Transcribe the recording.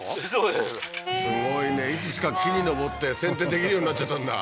へえーすごいねいつしか木に登って剪定できるようになっちゃったんだ